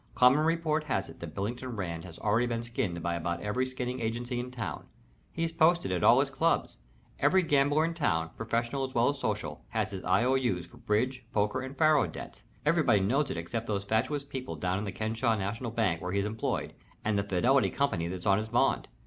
"Common report has it that Billington Rand has already been skinned by about every skinning agency in town. He's posted at all his clubs. Every gambler in town, professional as well as social, has his I.O.U.'s for bridge, poker, and faro debts. Everybody knows it except those fatuous people down in the Kenesaw National Bank, where he's employed, and the Fidelity Company that's on his bond.